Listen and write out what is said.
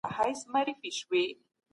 باید د ټولني جوړښت ته درناوی وشي.